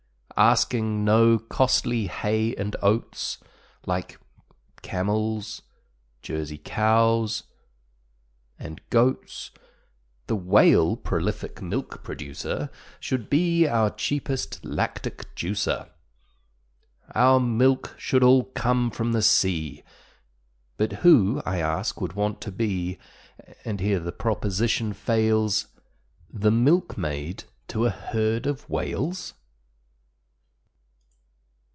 Asking no costly hay and oats, Like camels, Jersey cows, and goats, The Whale, prolific milk producer, Should be our cheapest lactic juicer. Our milk should all come from the sea, But who, I ask, would want to be, And here the proposition fails, The milkmaid to a herd of Whales?